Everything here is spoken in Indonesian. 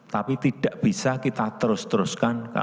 tapi tidak bisa kita terus teruskan